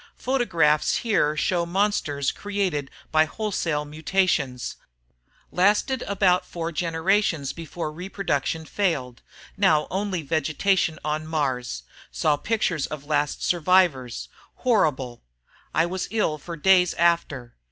photographs here show monsters created by wholesale mutations ... lasted about four generations before reproduction failed ... now only vegetation on Mars ... saw pictures of last survivors ... horrible ... I was ill for days after